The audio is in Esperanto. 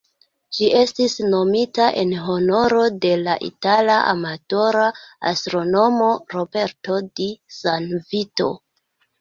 Ĝi estis nomita en honoro de la itala amatora astronomo "Roberto di San Vito".